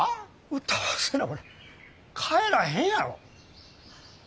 歌わせなこれ帰らへんやろ。